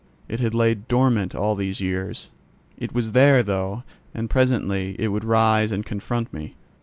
It had lain dormant all these years: it was there, though, and presently it would rise and confront me.